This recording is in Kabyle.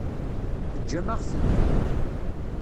Teǧǧam-aɣ-tent-id.